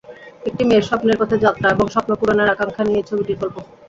একটি মেয়ের স্বপ্নের পথে যাত্রা এবং স্বপ্ন পূরণের আকাঙ্ক্ষা নিয়েই ছবিটির গল্প।